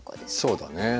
そうだね。